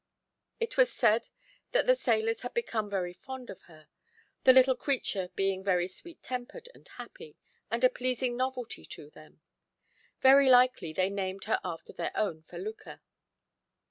It was said that the sailors had become very fond of her, the little creature being very sweet tempered and happy, and a pleasing novelty to them. Very likely they named her after their own felucca.